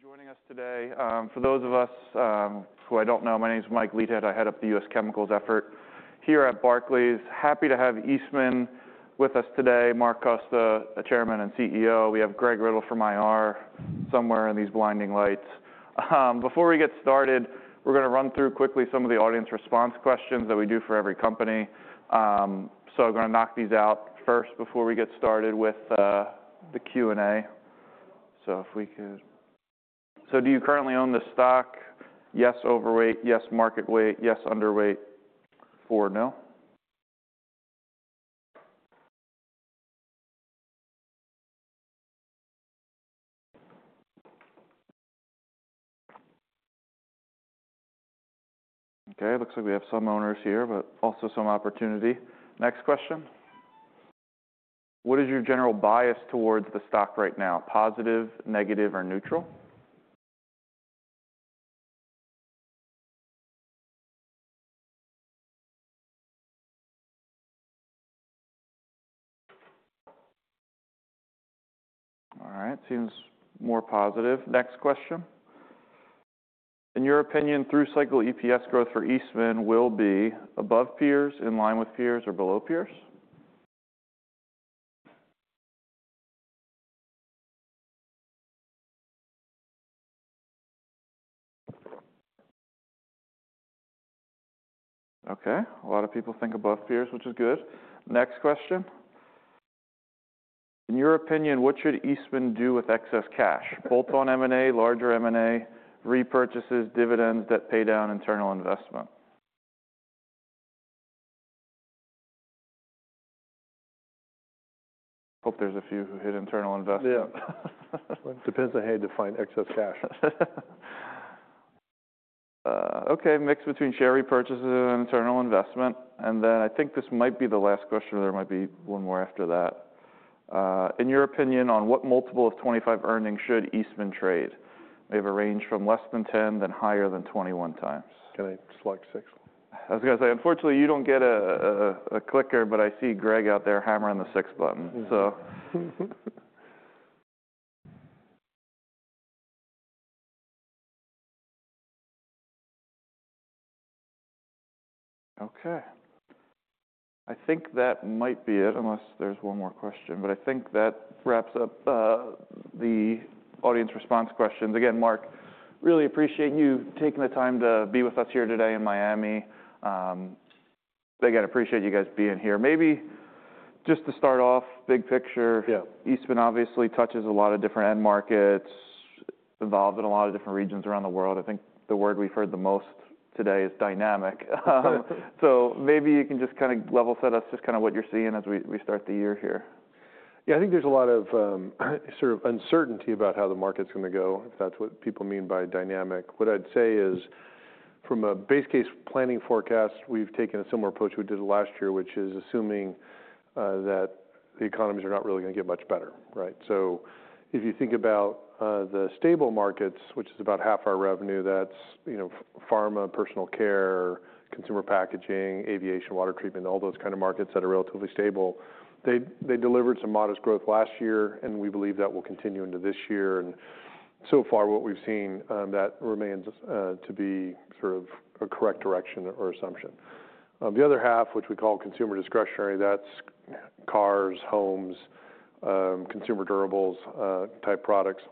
Joining us today, for those of you who don't know, my name is Mike Leithead. I head up the U.S. Chemicals effort here at Barclays. Happy to have Eastman with us today. Mark Costa, the Chairman an d CEO. We have Greg Riddle from IR somewhere in these blinding lights. Before we get started, we're going to run through quickly some of the audience response ques tions that we do for every company. So I'm going to knock these out first before we get started with the Q and A. So if we could. So do you currently own the stock? Yes. Overweight? Yes. Market weight? Yes. Underweight? Four? No. Okay, looks like we have some owners here, but also some opportunity. Next question. What is your general bias towards the stock right now? Positive, negative, or neutral? All right, seems more positive. Next question. In your opinion, through cycle EPS growth for Eastman will be above peers, in line with peers, or below peers? Okay. A lot of people think above peers, which is good. Next question. In your opinion, what should Eastman do with excess cash? Bolt-on M&A, Larger M&A, repurchases, dividends, debt paydown, internal investment. Hope there's a few institutional investors. Depends on how you define excess cash. Okay, mix between share repurchases and internal investment, and then I think this might be the last question. There might be one more after that. In your opinion, on what multiple of 25 earnings should Eastman trade? May have a range from less than 10, then higher than 21 times. Can I select six? I was going to say, unfortunately, you don't get a clicker, but I see Greg out there hammering the six button, so. Okay, I think that might be it. Unless there's one more question, but I think that wraps up the audience response questions. Again, Mark, really appreciate you taking the time to be with us here today in Miami. Again, appreciate you guys being here. Maybe just to start off big picture, Eastman obviously touches a lot of different end markets involved in a lot of different regions around the world. I think the word we've heard the most today is dynamic. So maybe you can just kind of level set us just kind of what you're seeing as we start the year here. Yeah, I think there's a lot of sort of uncertainty about how the market's going to go, if that's what people mean by dynamic. What I'd say is from a base case planning forecast, we've taken a similar approach we did last year, which is assuming that the economies are not really going to get much better. Right. So if you think about the stable markets, which is about half our revenue that's, you know, pharma, personal care, consumer packaging, aviation, water treatment, all those kind of markets that are relatively stable, they delivered some modest growth last year and we believe that will continue into this year, and so far what we've seen that remains to be sort of a correct direction or assumption. The other half, which we call consumer discretionary, that's cars, homes, consumer durables type products,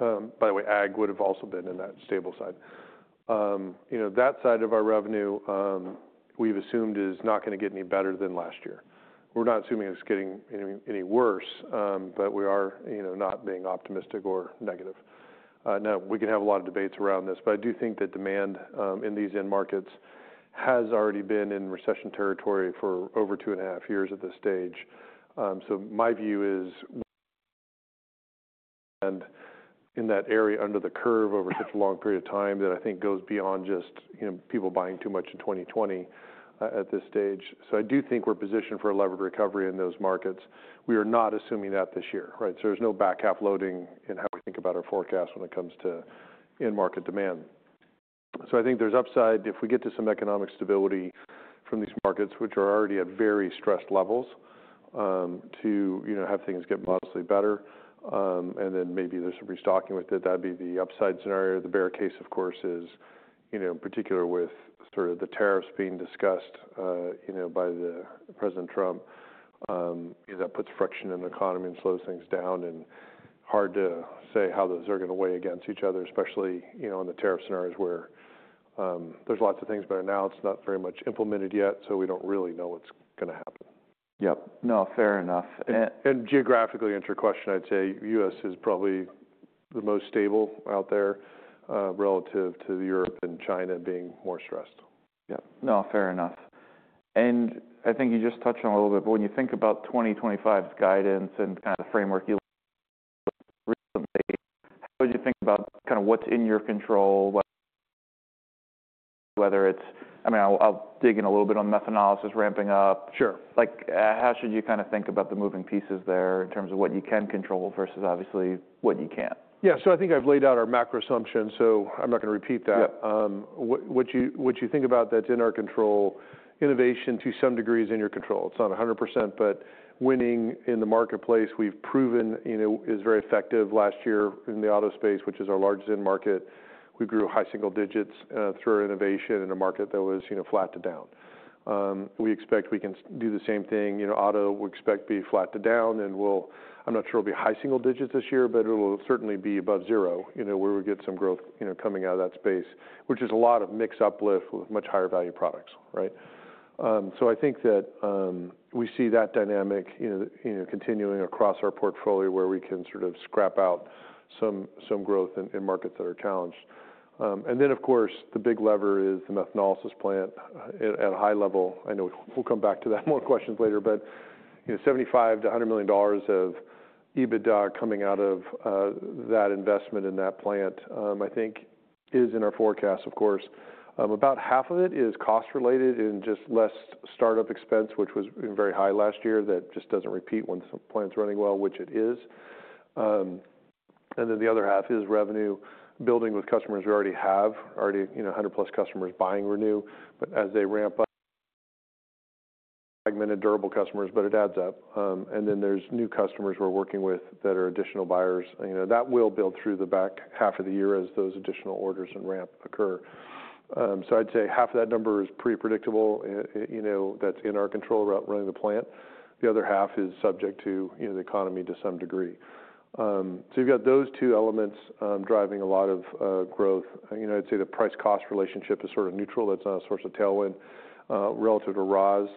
by the way, Ag would have also been in that stable side. You know, that side of our revenue we've assumed is not going to get any better than last year. We're not assuming it's getting any worse, but we are not being optimistic or negative. Now we can have a lot of debates around this, but I do think that demand in these end markets has already been in recession territory for over two and a half years at this stage. So my view is. In that area under the curve over such a long period of time that I think goes beyond just people buying too much in 2020 at this stage. I do think we're positioned for a levered recovery in those markets. We are not assuming that this year. Right. So there's no back half loading in how we think about our forecast when it comes to end market demand. So I think there's upside if we get to some economic stability from these markets which are already at very stressed levels, to have things get modestly better and then maybe there's some restocking with it. That'd be the upside scenario. The bear case of course is, you know, in particular with sort of the tariffs being discussed, you know, by the President Trump, that puts friction in the economy and slows things down. And hard to say how those are going to weigh against each other, especially you know, in the tariff scenarios where there's lots of things. But now it's not very much implemented yet, so we don't really know what's going to happen. Yep. No, fair enough. Geographically, in the question, I'd say the U.S. is probably the most stable out there relative to Europe and China being more stressed. Yeah, no, fair enough. And I think you just touched on a little bit. But when you think about 2025's guidance and kind of the framework you recently, how would you think about kind of what's in your control? Whether it's, I mean, I'll dig in a little bit on methanolysis ramping up. Sure. Like how should you kind of think about the moving pieces there in terms of what you can control versus obviously what you can't? Yeah. So I think I've laid out our macro assumption. So I'm not going to repeat that. What you think about that's in our control. Innovation to some degree is in your control. It's not 100% but winning in the marketplace. We've proven, you know, is very effective. Last year in the auto space, which is our largest end market, we grew high single digits through our innovation in a market that was, you know, flat to down. We expect we can do the same thing, you know, auto we expect to be flat to down and we'll, I'm not sure it'll be high single digits this year, but it will certainly be above zero where we get some growth coming out of that space which is a lot of mix uplift with much higher value products. So I think that we see that dynamic continuing across our portfolio where we can sort of scrape out some growth in markets that are challenged. And then of course the big lever is the methanolysis plant at a high level. I know we'll come back to that. More questions later. But you know, $75 million-$100 million of EBITDA coming out of that investment in that plant I think is in our forecast. Of course about half of it is cost related in just less startup expense which was very high last year. That just doesn't repeat once the plant's running well, which it is. And then the other half is revenue building with customers. We already have, you know, 100 plus customers buying Renew but as they ramp up. Durable customers, but it adds up. And then there's new customers we're working with that are additional buyers, you know, that will build through the back half of the year as those additional orders and ramp occur. So I'd say half of that number is pretty predictable. You know, that's in our control route running the plant. The other half is subject to, you know, the economy to some degree. So you've got those two elements driving a lot of growth. You know, I'd say the price cost relationship is sort of neutral. That's not a source of tailwind relative to raws.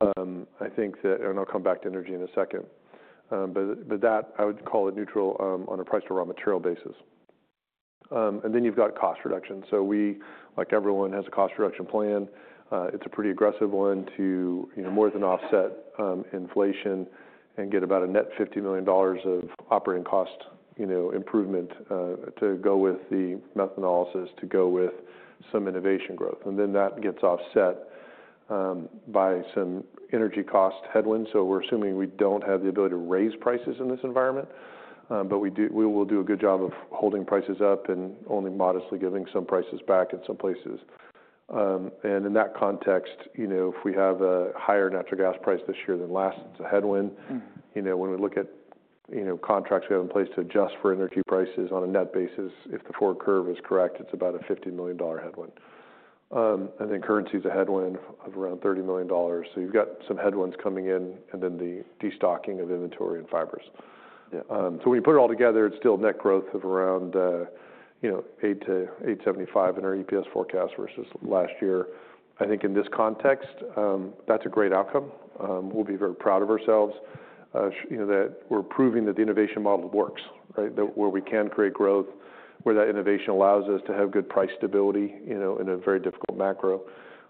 I think that and I'll come back to energy in a second but that I would call it neutral on a price to raw material basis. And then you've got cost reduction. So, we, like everyone, has a cost reduction plan. It's a pretty aggressive one to more than offset inflation and get about a net $50 million of operating cost improvement to go with the methanolysis to go with some innovation growth. And then that gets offset by some energy cost headwinds. So we're assuming we don't have the ability to raise prices in this environment, but we will do a good job of holding prices up and only modestly giving some prices back in some places. And in that context, if we have a higher natural gas price this year than last, supply headwind, you know, when we look at, you know, contracts we have in place to adjust for energy prices on a net basis, if the forward curve is correct, it's about a $50 million headwind and then currency is a headwind of around $30 million. So you've got some headwinds coming in and then the destocking of inventory and fibers. So when you put it all together, it's still net growth of around you know, 8-8.75 in our EPS forecast versus last year. I think in this context that's a great outcome. We'll be very proud of ourselves that we're proving that the innovation model works where we can create growth, where that innovation allows us to have good price stability in a very difficult macro.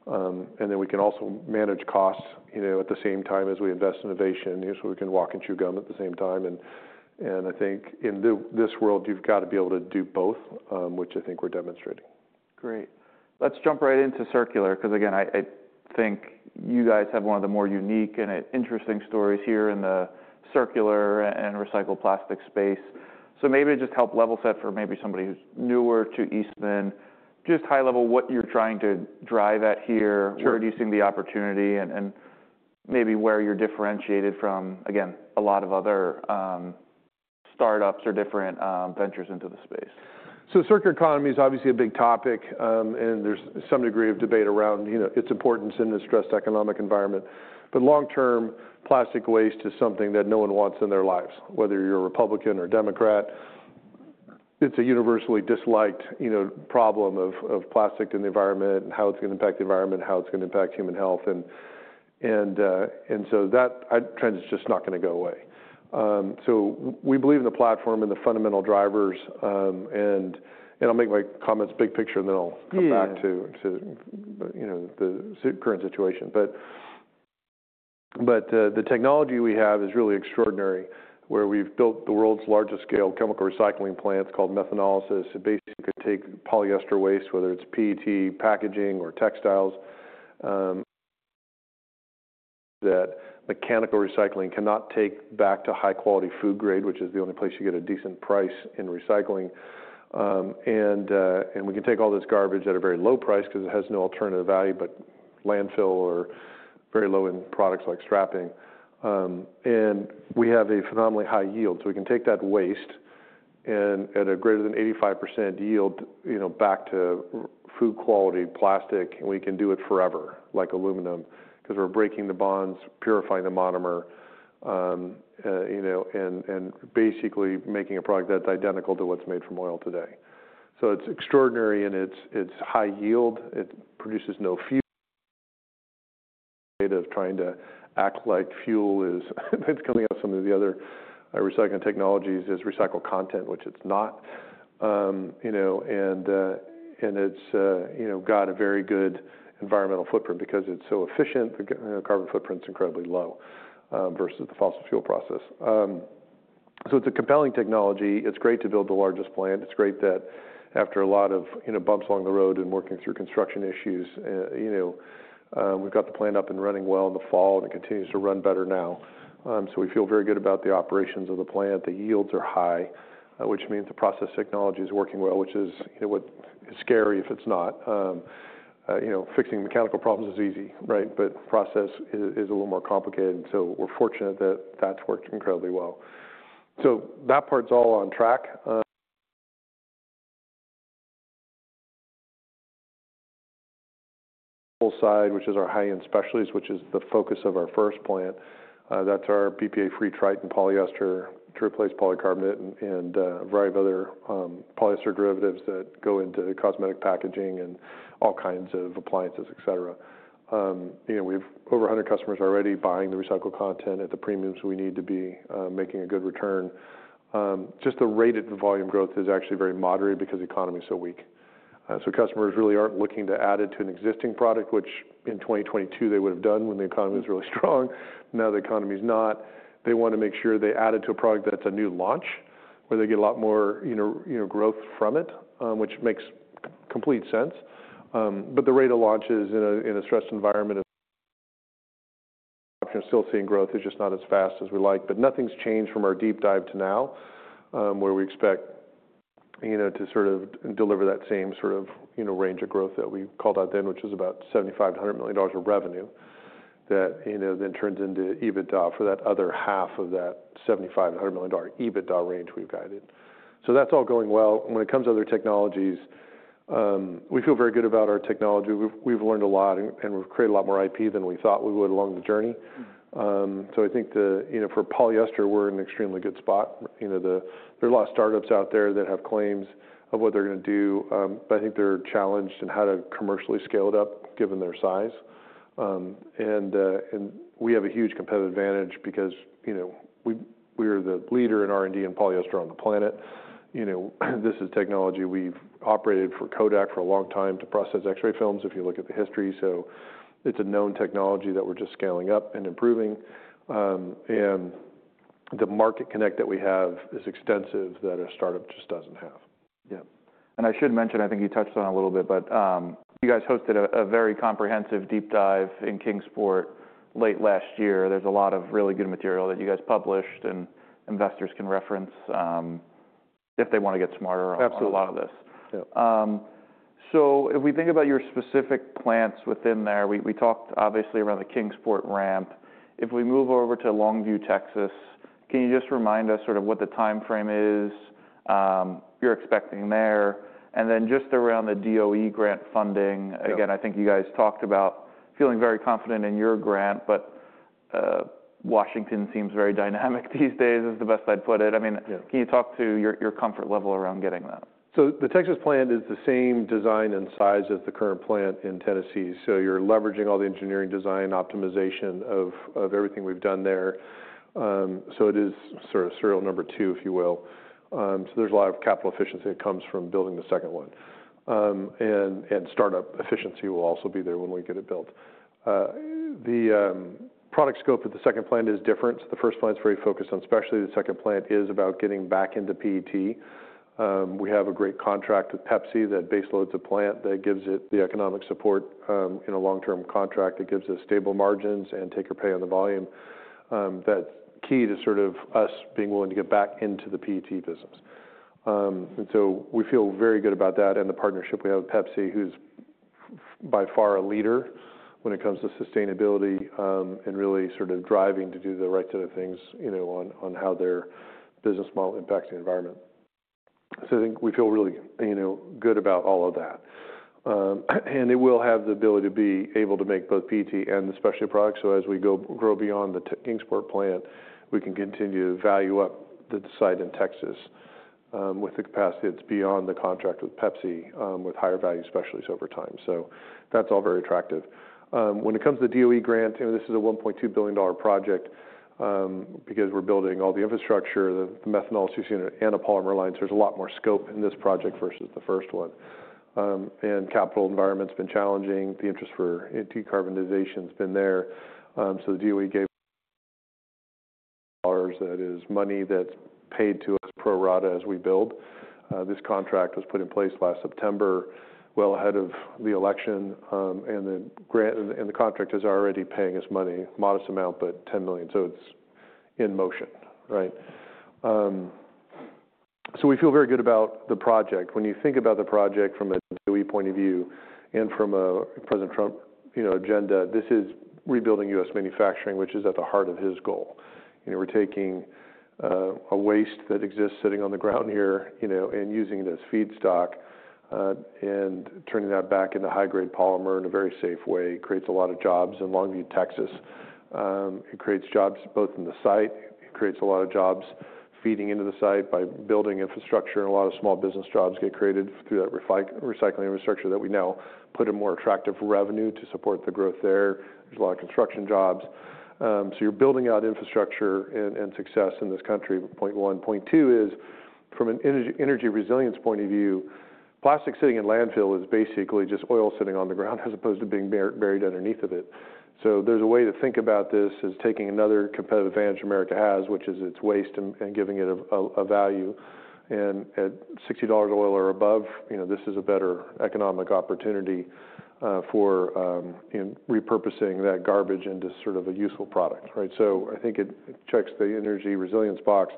And then we can also manage costs at the same time as we invest innovation so we can walk and chew gum at the same time. And I think in this world you've got to be able to do both, which I think we're demonstrating. Great. Let's jump right into circular because again I think you guys have one of the more unique and interesting stories here in the circular and recycled plastic space. So maybe just help level set for maybe somebody who's newer to Eastman, just high level what you're trying to drive at here, pursuing the opportunity and maybe where you're differentiated from again a lot of other. Startups or different ventures into the space. So circular economy is obviously a big topic, and there's some degree of debate around, you know, its importance in a stressed economic environment. But long term plastic waste is something that no one wants in their lives, whether you're a Republican or Democrat. It's a universally disliked, you know, problem of plastic in the environment and how it's going to impact the environment, how it's going to impact human health. And. So that trend is just not going to go away. So we believe in the platform and the fundamental drivers and I'll make my comments big picture and then I'll come back to the current situation. But the technology we have is really extraordinary. Where we've built the world's largest scale chemical recycling plant called Methanolysis. It basically could take polyester waste, whether it's PET packaging or textiles. That mechanical recycling cannot take back to high quality food grade, which is the only place you get a decent price in recycling. We can take all this garbage at a very low price because it has no alternative value but landfill or very low-end products like strapping. We have a phenomenally high yield. We can take that waste and at a greater than 85% yield back to food quality plastic. We can do it forever, like aluminum, because we're breaking the bonds, purifying the monomer. Basically making a product that's identical to what's made from oil today. It's extraordinary in its high yield. It produces no fuel. Trying to act like fuel is coming out of some of the other recycling technologies is recycled content, which it's not. It's got a very good environmental footprint because it's so efficient. Carbon footprint's incredibly low versus the fossil fuel process. It's a compelling technology. It's great to build the largest plant. It's great that after a lot of bumps along the road and working through construction issues. We've got the plant up and running well in the fall and it continues to run better now. So we feel very good about the operations of the plant. The yields are high, which means the process technology is working well, which is scary if it's not. Fixing mechanical problems is easy, right? But process is a little more complicated, so we're fortunate that that's worked incredibly well. So that part's all on track. Full side, which is our high end specialties, which is the focus of our first plant, that's our BPA-free Tritan polyester to replace polycarbonate and a variety of other polyester derivatives that go into cosmetic packaging and all kinds of appliances, et cetera. You know, we have over 100 customers already buying the recycled content at the premiums. We need to be making a good return. Just the rated volume growth is actually very moderate because the economy is so weak. So customers really aren't looking to add it to an existing product, which in 2022 they would have done when the economy was really strong. Now the economy's not. They want to make sure they add it to a product that's a new launch where they get a lot more growth from it, which makes complete sense. But the rate of launches in a stressed environment. Still seeing growth is just not as fast as we like. Nothing's changed from our deep dive to now where we expect to sort of deliver that same sort of range of growth that we called out then, which is about $75 million-$100 million of revenue that then turns into EBITDA for that other half of that $7,500 million EBITDA range. We've got it. That's all going well. When it comes to other technologies, we feel very good about our technology. We've learned a lot and we've created a lot more IP than we thought we would along the journey. I think for polyester, we're in an extremely good spot. There are a lot of startups out there that have claims of what they're going to do, but I think they're challenged in how to commercially scale it up given their size. We have a huge competitive advantage because, you know, we are the leader in R&D and polyester on the planet. You know, this is technology. We've operated for Kodak for a long time to process X-ray films, if you look at the history. It's a known technology that we're just scaling up and improving and the market connect that we have is extensive that a startup just doesn't have. Yeah, and I should mention I think you touched on a little bit, but you guys hosted a very comprehensive deep dive in Kingsport late last year. There's a lot of really good material that you guys published and investors can reference if they want to get smarter. A lot of this. So if we think about your specific. Plants within there, we talked obviously around the Kingsport ramp. If we move over to Longview, Texas, can you just remind us sort of what the timeframe is you're expecting there? And then just around the DOE grant funding again, I think you guys talked about feeling very confident in your grant, but Washington seems very dynamic these days. It's the best I'd put it. I mean, can you talk to your comfort level around getting that? So the Texas plant is the same design and size as the current plant in Tennessee. So you're leveraging all the engineering design optimization of everything we've done there. So it is sort of serial number two, if you will. So there's a lot of capital efficiency that comes from building the second one. And startup efficiency will also be there when we get it built. The product scope of the second plant is different. The first plant's very focused on specialty. The second plant is about getting back into PET. We have a great contract with Pepsi that base loads a plant that gives it the economic support in a long term contract. That gives us stable margins and take or pay on the volume. That's key to sort of us being willing to get back into the PET business. And so we feel very good about that and the partnership we have with Pepsi, who's by far a leader when it comes to sustainability and really sort of driving to do the right sort of things, you know, on how their business model impacts the environment. So I think we feel really good about all of that and it will have the ability to be able to make both PET and the specialty products. So as we grow beyond the Kingsport plant, we can continue to value up the site in Texas with the capacity that's beyond the contract with Pepsi with higher value specialties over time. So that's all very attractive when it comes to DOE grant. This is a $1.2 billion project because we're building all the infrastructure, the methanol and the polymer line. So there's a lot more scope in this project versus the first one. And capital environment's been challenging. The interest for decarbonization has been there. So the DOE gave. That is money that's paid to us pro rata as we build. This contract was put in place last September, well ahead of the election and the grant and the contract is already paying us money. Modest amount, but $10 million, so it's in motion. Right. We feel very good about the project. When you think about the project from a DOE point of view and from a President Trump agenda, this is rebuilding U.S. Manufacturing, which is at the heart of his goal. We're taking a waste that exists sitting on the ground here and using it as feedstock and turning that back into high grade polymer in a very safe way. Creates a lot of jobs. In Longview, Texas, it creates jobs both in the site. It creates a lot of jobs feeding into the site by building infrastructure. A lot of small business jobs get created through that recycling infrastructure that we now put in more attractive revenue to support the growth there. There's a lot of construction jobs, so you're building out infrastructure and success in this country. Point one. Point two is from an energy resilience point of view. Plastic sitting in landfill is basically just oil sitting on the ground as opposed to being buried underneath of it. So there's a way to think about this as taking another competitive advantage America has, which is its waste and giving it a value. And at $60 oil or above, this is a better economic opportunity for repurposing that garbage into sort of a useful product. Right. So I think it checks the energy resilience box.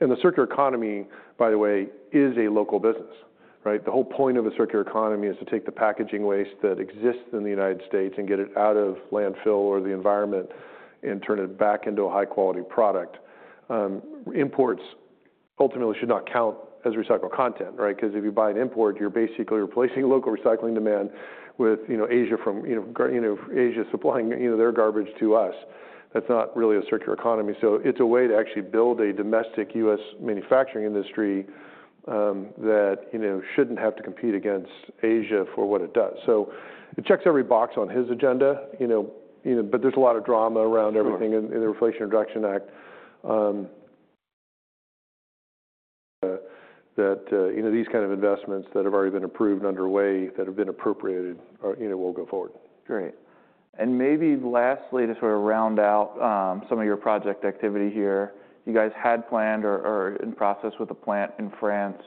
And the circular economy, by the way, is a local business. Right. The whole point of a circular economy is to take the packaging waste that exists in the United States and get it out of landfill or the environment and turn it back into a high quality product. Imports ultimately should not count as recycled content. Right. Because if you buy an import, you're basically replacing local recycling demand with waste from Asia supplying their garbage to us. That's not really a circular economy. So it's a way to actually build a domestic U.S. manufacturing industry that shouldn't have to compete against Asia for what it does. So it checks every box on his agenda. But there's a lot of drama around everything in the Inflation Reduction Act. That these kind of investments that have already been approved, underway, that have been appropriated or will go forward. Great. And maybe lastly, to sort of round out some of your project activity here, you guys had planned or in process with the plant in France.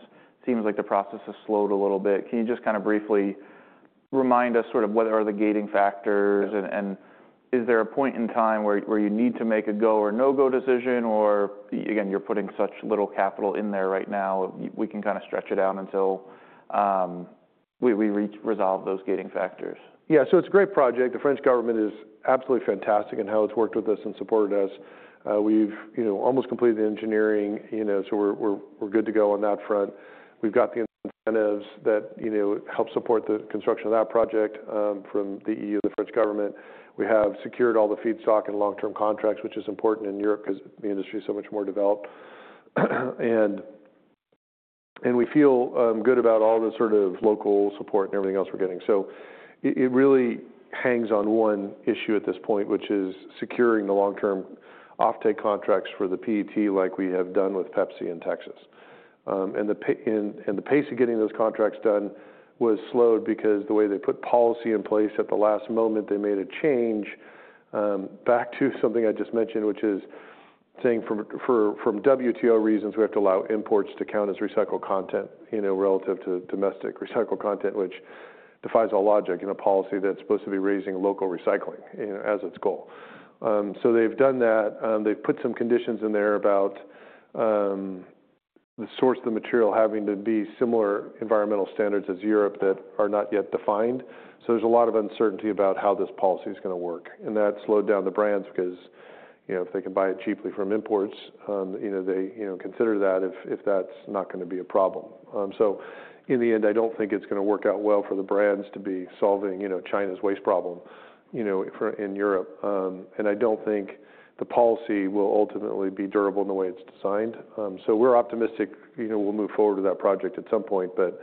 Seems like the process has slowed a little bit. Can you just kind of briefly remind us sort of what are the gating factors and is there a point in time where you need to make a go or no go decision? Or again, you're putting such little capital in there right now, we can kind of stretch it out until. We resolve those gating factors. Yeah. It's a great project. The French government is absolutely fantastic in how it's worked with us and supported us. We've almost completed the engineering, so we're good to go on that front. We've got the incentives that help support the construction of that project. From the EU, the French government, we have secured all the feedstock and long term contracts which is important in Europe because the industry is so much more developed and we feel good about all the sort of local support and everything else we're getting. It really hangs on one issue at this point, which is securing the long term offtake contracts for the PET like we have done with Pepsi in Texas. The pace of getting those contracts done was slowed because the way they put policy in place at the last moment they made a change. But back to something I just mentioned, which is saying from WTO reasons we have to allow imports to count as recycled content relative to domestic recycled content, which defies all logic in a policy that's supposed to be raising local recycling as its goal. So they've done that. They've put some conditions in there about. The source of the material having to be similar environmental standards as Europe that are not yet defined, so there's a lot of uncertainty about how this policy is going to work, and that slowed down the brands because if they can buy it cheaply from imports, they consider that if that's not going to be a problem, so in the end, I don't think it's going to work out well for the brands to be solving China's waste problem in Europe, and I don't think the policy will ultimately be durable in the way it's designed, so we're optimistic we'll move forward with that project at some point, but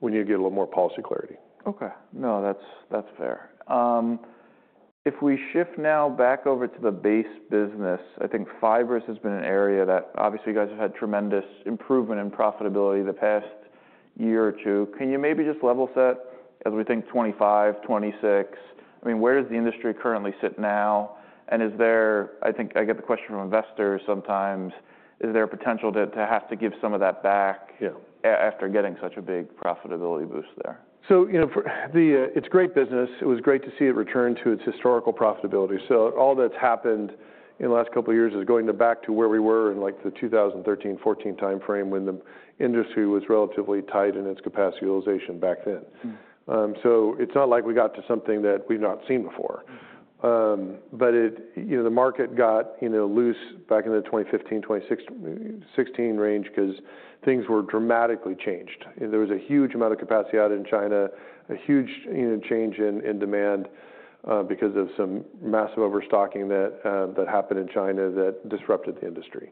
we need to get a little more policy clarity. Okay. No, that's, that's fair. If we shift now back over to the base business, I think fibers has been an area that obviously you guys have had tremendous improvement in profitability the past year or two. Can you maybe just level set as we think 2025, 2026? I mean, where does the industry currently sit now? And is there. I think I get the question from investors sometimes, is there a potential to have to give some of that back after getting such a big profitability boost there? So it's great business. It was great to see it return to its historical profitability. So all that's happened in the last couple years is going back to where we were in the 2013-14 time frame when the industry was relatively tight in its capacity utilization back then. So it's not like we got to something that we've not seen before. But the market got loose back in the 2015, 2016 range because things were dramatically changed. There was a huge amount of capacity added in China, a huge change in demand because of some massive overstocking that happened in China that disrupted the industry.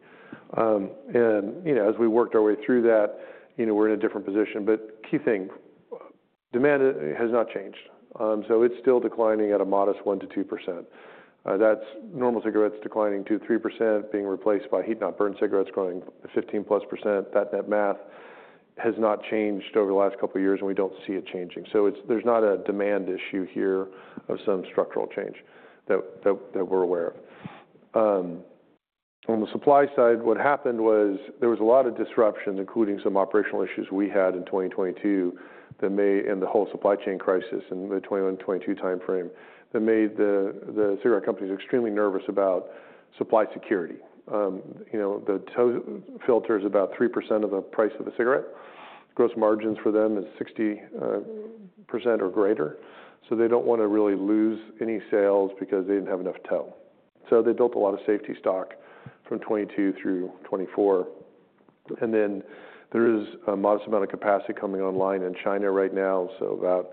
And as we worked our way through that, we're in a different position. But key thing, demand has not changed. So it's still declining at a modest 1%-2%. That's normal cigarettes declining 2-3% being replaced by heat-not-burn cigarettes growing 15-plus%. That net math has not changed over the last couple years and we don't see it changing. So there's not a demand issue here of some structural change that we're aware of. On the supply side, what happened was there was a lot of disruption, including some operational issues we had in 2022 and the whole supply chain crisis in the 21-22 time frame that made the cigarette companies extremely nervous about supply security. The tow filter is about 3% of the price of a cigarette. Gross margins for them is 60% or greater. So they don't want to really lose any sales because they didn't have enough tow. So they built a lot of safety stock from 2022 through 2024, and then there is a modest amount of capacity coming online in China right now, so about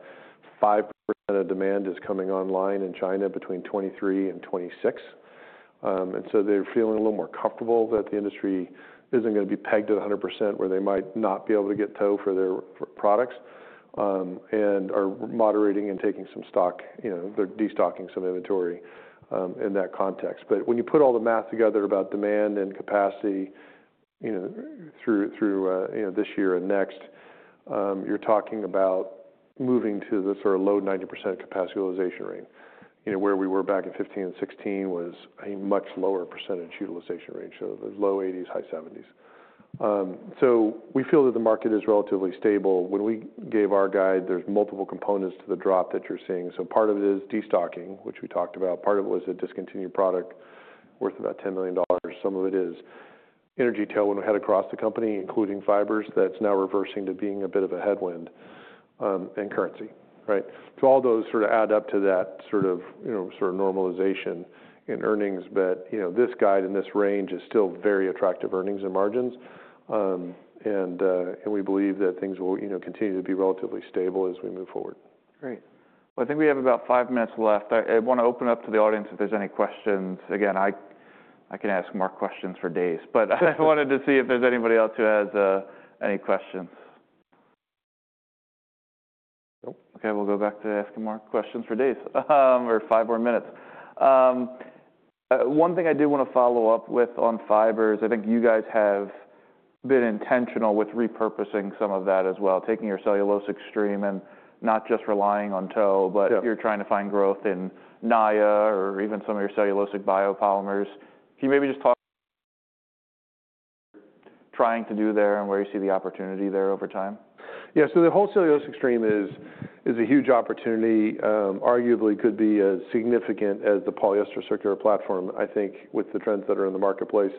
5% of demand is coming online in China between 2023 and 2026. And so they're feeling a little more comfortable that the industry isn't going to be pegged at 100% where they might not be able to get tow for their products and are moderating and taking some stock. You know, they're destocking some inventory in that context. But. But when you put all the math together about demand and capacity. Through this year and next, you're talking about moving to the sort of low 90% capacity utilization rate where we were back in 2015 and 2016, which was a much lower percentage utilization range. So low 80%, high 70s%. So we feel that the market is relatively stable. When we gave our guide, there's multiple components to the drop that you're seeing. So part of it is destocking, which we talked about. Part of it was a discontinued product worth about $10 million. Some of it is energy tailwind we had across the company, including fibers. That's now reversing to being a bit of a headwind in currency. Right. So all those sort of add up to that sort of normalization in earnings. But this guidance in this range is still very attractive. Earnings and margins. And we believe that things will continue to be relatively stable as we move forward. Great. Well, I think we have about five minutes left. I want to open up to the audience if there's any questions. Again, I can ask more questions for days, but I wanted to see if there's anybody else who has any questions. Okay, we'll go back to asking more questions for days or five more minutes. One thing I do want to follow up with on fiber is I think you guys have been intentional with repurposing some of that as well. Taking your cellulosic team and not just relying on tow, but you're trying to find growth in Naia or even some of your cellulosic biopolymers. Can you maybe just talk? Trying to do there and where you see the opportunity there over time? Yeah, so the whole cellulosic stream is a huge opportunity. Arguably could be as significant as the polyester circular platform. I think with the trends that are in the marketplace,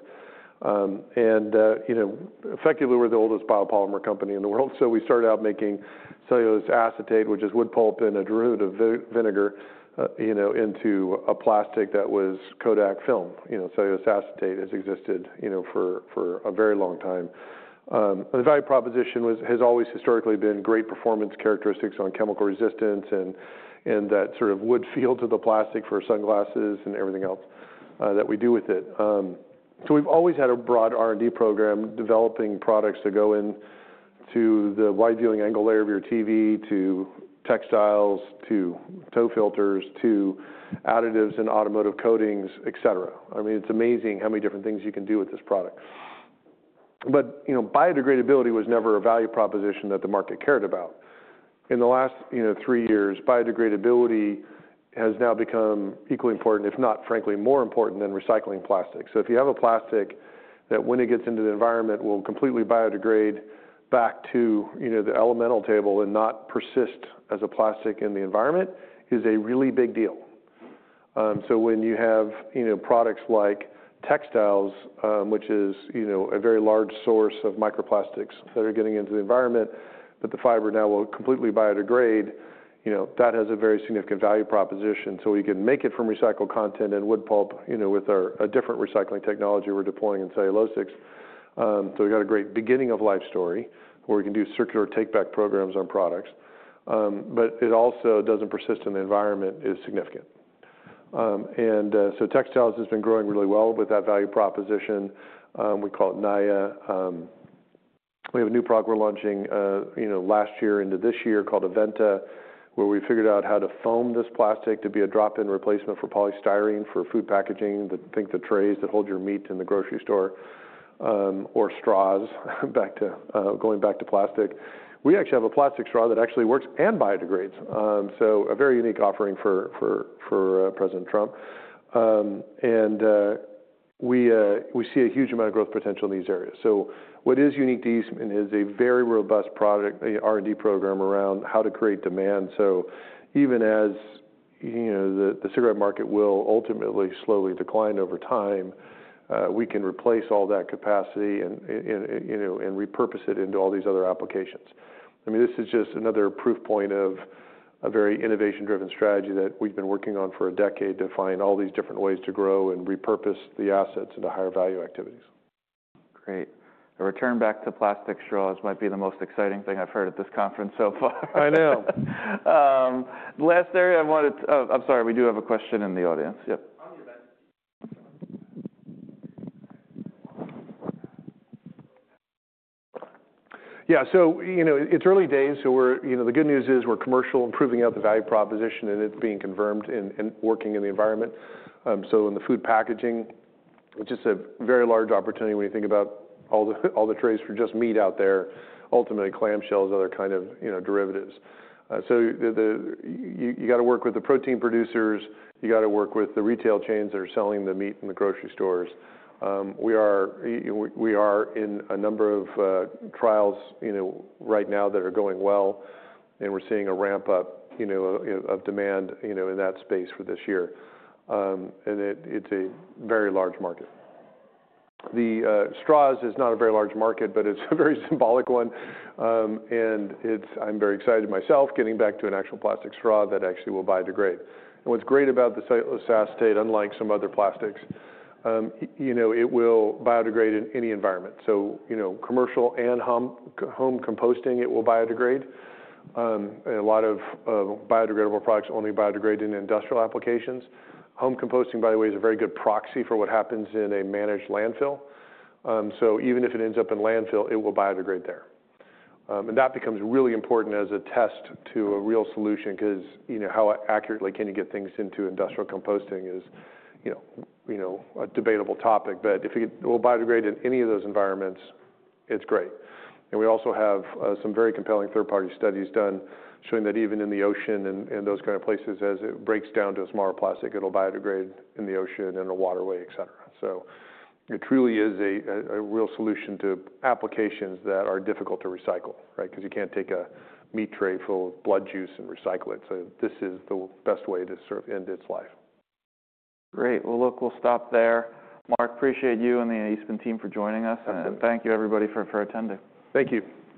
and effectively we're the oldest biopolymer company in the world. So we started out making cellulose acetate, which is wood pulp and a derivative of vinegar into a plastic that was Kodak film. Cellulose acetate has existed for a very long time. The value proposition has always historically been great performance characteristics on chemical resistance, and that sort of wood feel to the plastic for sunglasses and everything else that we do with it. So we've always had a broad R&D program developing products that go into the wide viewing angle layer of your TV, to textiles, to tow filters, to additives and automotive coatings, et cetera. I mean, it's amazing how many different things you can do with this product. But you know, biodegradability was never a value proposition that the market cared about. In the last three years, biodegradability has now become equally important, if not frankly more important than recycling plastic. So if you have a plastic that when it gets into the environment will completely biodegrade back to the periodic table and not persist as a plastic in the environment is a really big deal. So when you have products like textiles, which is a very large source of microplastics that are getting into the environment, but the fiber now will completely biodegrade, you know, that has a very significant value proposition. So we can make it from recycled content and wood pulp, you know, with a different recycling technology. We're deploying in cellulosics. So we got a great beginning of life story where we can do circular take back programs on products, but it also doesn't persist in the environment is significant. And so textiles has been growing really well with that value proposition. We call it Naia. We have a new product we're launching last year into this year called Aventa where we figured out how to foam this plastic to be a drop in replacement for polystyrene for food packaging. Think the trays that hold your meat in the grocery store or straws going back to plastic. We actually have a plastic straw that actually works and biodegrades. So a very unique offering for President Trump and. We see a huge amount of growth potential in these areas. So what is unique to Eastman is a very robust R and D program around how to create demand. So even as the cigarette market will ultimately slowly decline over time, we can replace all that capacity and repurpose it into all these other applications. I mean, this is just another proof point of a very innovation driven strategy that we've been working on for a decade to find all these different ways to grow and repurpose the assets into higher value activities. Great. A return back to plastic straws might be the most exciting thing I've heard at this conference so far. I know. Last area I wanted. I'm sorry, we do have a question in the audience. Yep. Yeah, so, you know, it's early days, so we're, you know, the good news is we're commercially proving out the value proposition and it's being confirmed and working in the environment. So in the food packaging, which is a very large opportunity when you think about all the trays for just meat out there, ultimately clamshells, other kind of, you know, derivatives. So you got to work with the protein producers, you got to work with the retail chains that are selling the meat, the grocery stores. We are in a number of trials right now that are going well, and we're seeing a ramp up of demand in that space for this year. And it's a very large market. The straws is not a very large market, but it's a very symbolic one. And I'm very excited myself, getting back to an actual plastic straw that will biodegrade. And what's great about the cellulose acetate, unlike some other plastics, you know, it will biodegrade in any environment. So, you know, commercial and home composting, it will biodegrade. A lot of biodegradable products only biodegrade in industrial applications. Home composting, by the way, is a very good proxy for what happens in a managed landfill. So even if it ends up in landfill, it will biodegrade there. That becomes really important as a test to a real solution because, you know, how accurately can you get things into industrial composting is a debatable topic. If it will biodegrade in any of those environments, it's great. We also have some very compelling third-party studies done showing that even in the ocean and those kind of places, as it breaks down to a smaller plastic, it'll biodegrade in the ocean, in a waterway, et cetera. It truly is a real solution to applications that are difficult to recycle. Right. Because you can't take a meat tray full of blood juice and recycle it, so this is the best way to sort of end its life. Great. Look, we'll stop there. Mark, appreciate you and the Eastman team for joining us. Thank you, everybody, for attending. Thank you.